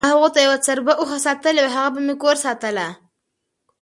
ما هغو ته یوه څربه اوښه ساتلې وه، هغه به مې کور ساتله،